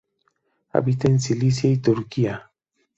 Habita en Sicilia y Turquía.